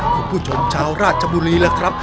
คุณผู้ชมชาวราชบุรีล่ะครับ